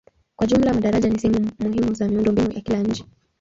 Kwa jumla madaraja ni sehemu muhimu za miundombinu ya kila nchi.